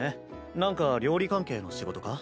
なんか料理関係の仕事か？